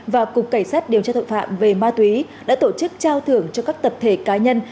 và cục cảnh sát điều tra tội phạm về ma túy đã tổ chức trao thưởng cho các tập thể cá nhân